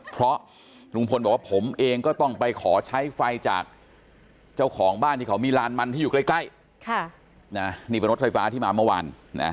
เพราะลุงพลบอกว่าผมเองก็ต้องไปขอใช้ไฟจากเจ้าของบ้านที่มีล้านมันที่อยู่ใกล้